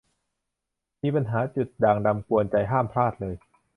มีปัญหาจุดด่างดำกวนใจ ห้ามพลาดเลย